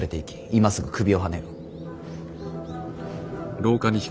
今すぐ首をはねよ。